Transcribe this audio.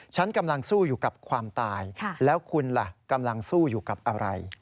ฉันกำลังสู้อยู่กับความตายแล้วคุณล่ะกำลังสู้อยู่กับอะไร